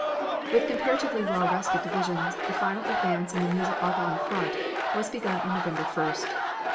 With comparatively well rested divisions, the final advance in the Meuse Argonne front was begun on November 1st.